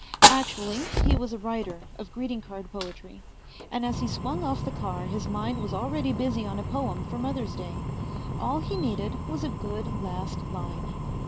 Actually he was a writer of greeting card poetry, and as he swung off the car his mind was already busy on a poem for Mother's Day. All he needed was a good last line.